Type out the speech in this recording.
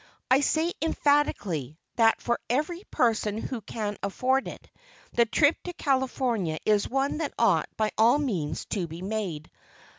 I say emphatically, that for every person who can afford it, the trip to California is one that ought by all means to be made.